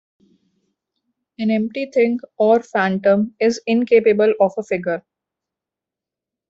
An empty thing, or phantom, is incapable of a figure.